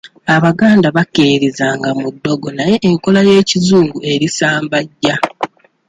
Abaganda bakkiririzanga mu ddogo naye enkola y'ekizungu erisambajja.